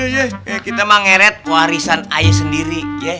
ye ye ye kita mah ngeret warisan ayah sendiri ya